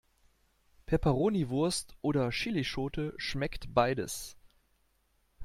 Peperoniwurst oder Chillischote schmeckt beides.